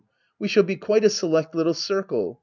We shall be quite a select little circle.